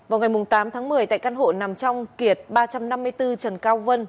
vào ngày tám tháng một mươi tại căn hộ nằm trong kiệt ba trăm năm mươi bốn trần cao vân